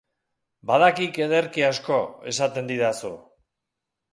Badakik ederki asko, esaten didazu.